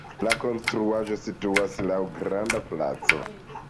La konstruaĵo situas laŭ granda placo.